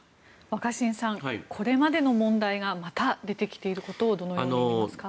若新さんこれまでの問題がまた出てきていることをどのように見ますか？